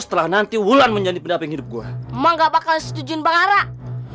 setelah nanti wulan menjadi pendaping hidup gua emang gak bakal setuju bang arak